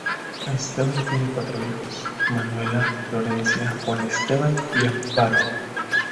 Esteban tiene cuatro hijos, Manuela, Florencia, Juan Esteban y Amparo.